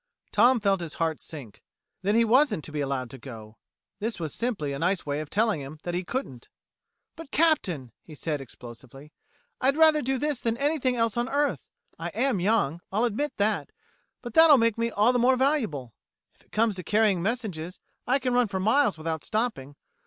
Tom felt his heart sink. Then he wasn't to be allowed to go! This was simply a nice way of telling him that he couldn't! "But, Captain," he said explosively, "I'd rather do this than anything else on earth. I am young I'll admit that but that'll make me all the more valuable. If it comes to carrying messages, I can run for miles without stopping.